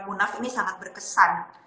munaf ini sangat berkesan